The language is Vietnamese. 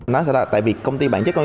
nó sẽ là tại việc công ty bản chất công tác